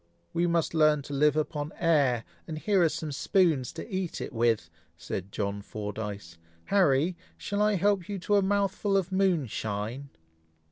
"We must learn to live upon air, and here are some spoons to eat it with," said John Fordyce. "Harry! shall I help you to a mouthful of moonshine?"